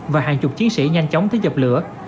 và hàng chục chiến sĩ nhanh chóng tới dập lửa